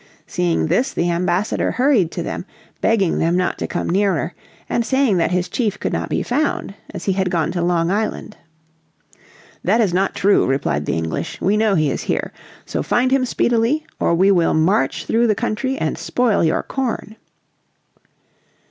Seeing this, the ambassador hurried to them, begging them not to come nearer, and saying that his chief could not be found, as he had gone to Long Island. "That is not true," replied the English. "We know he is here. So find him speedily or we will march through the country and spoil your corn."